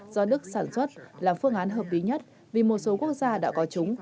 do đức sản xuất là phương án hợp lý nhất vì một số quốc gia đã có chúng